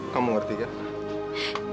kamu ngerti kan